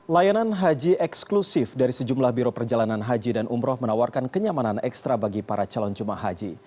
layanan haji eksklusif dari sejumlah biro perjalanan haji dan umroh menawarkan kenyamanan ekstra bagi para calon jemaah haji